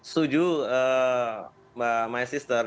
setuju mbak my sister